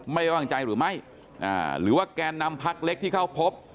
ไม่ว่างใจหรือไม่หรือว่าแกนนำพักเล็กที่เข้าพบ